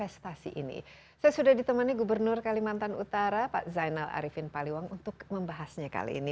saya sudah ditemani gubernur kalimantan utara pak zainal arifin paliwang untuk membahasnya kali ini